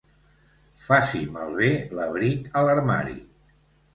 Faci malbé l'abric a l'armari.